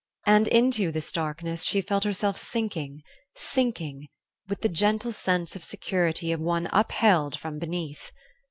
And into this darkness she felt herself sinking, sinking, with the gentle sense of security of one upheld from beneath.